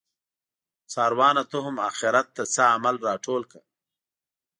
څاروانه ته هم اخیرت ته څه عمل راټول کړه